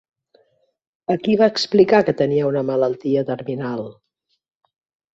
A qui va explicar que tenia una malaltia terminal?